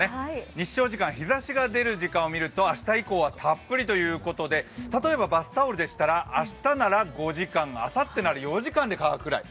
日照時間、日ざしが出る時間を見ると明日以降はたっぷりということで例えばバスタオルでしたら明日なら５時間、あさってなら４時間で乾くくらい。